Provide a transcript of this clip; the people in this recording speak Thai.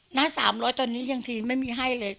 หน้า๓๐๐ตอนนี้ยังทีไม่มีให้เลย